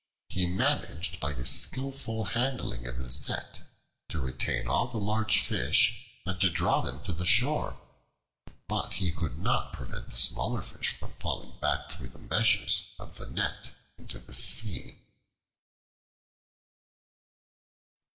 He managed by a skillful handling of his net to retain all the large fish and to draw them to the shore; but he could not prevent the smaller fish from falling back through the meshes of the net into the sea.